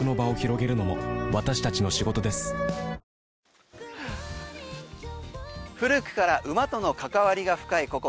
ペイトク古くから馬との関わりが深いここ